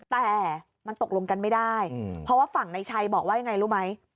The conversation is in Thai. แต่มันตกลงกันไม่ได้เพราะว่าฝั่งในชัยบอกว่ายังไงรู้ไหม